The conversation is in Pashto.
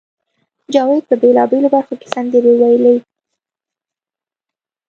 جاوید په بېلابېلو برخو کې سندرې وویلې